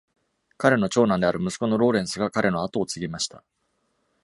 彼の長男である息子のローレンスが彼の後を継ぎました。